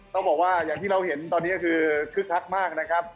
ต้องบอกว่าอย่างที่เราเห็นตอนนี้ก็คือคึกคักมากนะครับ